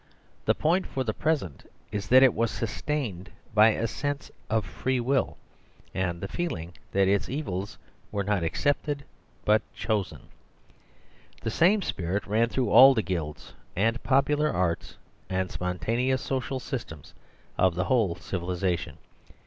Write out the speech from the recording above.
The point for the present is that it was sus tained by a sense of free will ; and the feeling that its evils were not accepted but chosen^ The same spirit ran through all the guilds and popular arts and spontaneous social systems The Story of the Vow 97 of the whole civilisation.